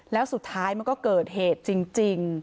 แล้วสุดท้ายมันก็เกิดเหตุจริง